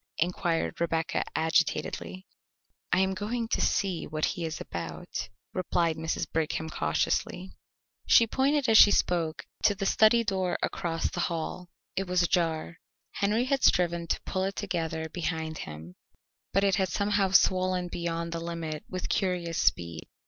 inquired Rebecca agitatedly. "I am going to see what he is about," replied Mrs. Brigham cautiously. She pointed as she spoke to the study door across the hall; it was ajar. Henry had striven to pull it together behind him, but it had somehow swollen beyond the limit with curious speed.